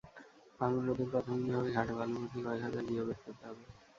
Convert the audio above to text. ভাঙন রোধে প্রাথমিকভাবে ঘাটে বালুভর্তি কয়েক হাজার জিও ব্যাগ ফেলতে হবে।